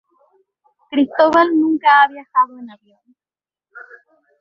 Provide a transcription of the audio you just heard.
Cristóbal nunca ha viajado en avión.